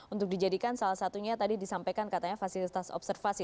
untuk dijadikan salah satunya tadi disampaikan katanya fasilitas observasi